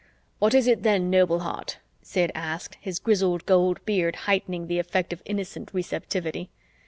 "What is it then, noble heart?" Sid asked, his grizzled gold beard heightening the effect of innocent receptivity.